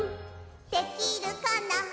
「できるかな」